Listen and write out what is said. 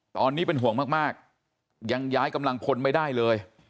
ตอนนี้เป็นห่วงมากยังย้ายกำลังพลไม่ได้เลย